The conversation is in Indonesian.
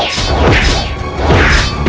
aku pergi dulu ibu nda